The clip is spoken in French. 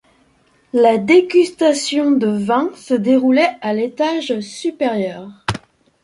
La dégustation de vins se déroulait à l'étage supérieur.